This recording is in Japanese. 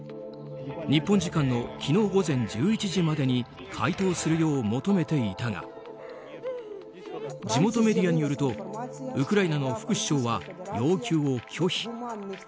日本時間の昨日午前１１時までに回答するように求めていたが地元メディアによるとウクライナの副首相は要求を拒否。